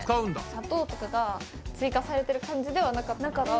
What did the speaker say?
砂糖とかが追加されてる感じではなかったから。